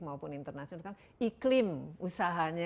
supaya ada kepastian